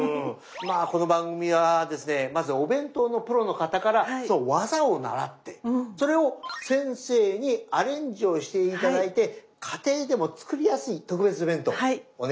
まあこの番組はですねまずお弁当のプロの方からその技を習ってそれを先生にアレンジをして頂いて家庭でも作りやすい特別弁当お願いしますね。